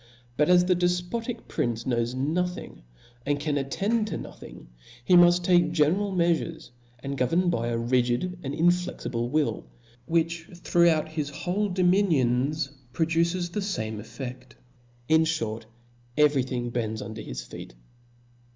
But as the defpotic prince knows nothing, and cai^ attend to nothing, he muft take general meafures, and govern by a rigid and inflexible will, wHicIi throughout his whole dominions produces the fame effci^l \ in (hort, every thing bcnd$ uiidcr bis feet.